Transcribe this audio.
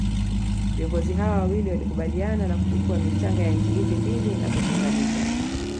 viongozi hawa wawili walikubaliana na kuchukua michanga ya nchi hizi mbili na kuziunganisha